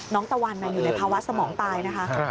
น้องตะวันนั้นอยู่ในภาวะสมองตายนะคะ